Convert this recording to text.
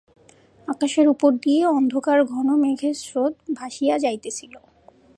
আকাশের উপর দিয়া অন্ধকার ঘনমেঘের স্রোত ভাসিয়া যাইতেছিল।